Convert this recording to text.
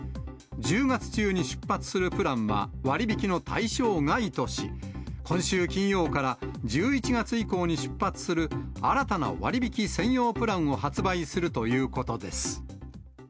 １０月中に出発するプランは割引の対象外とし、今週金曜から１１月以降に出発する新たな割引専用プランを発売するということです。